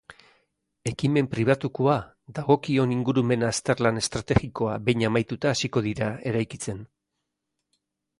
Ekimen pribatukoa, dagokion ingurumen azterlan estrategikoa behin amaituta hasiko dira eraikitzen.